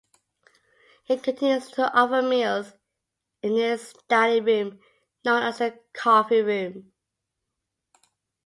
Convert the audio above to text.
It continues to offer meals in its dining room, known as the 'Coffee Room'.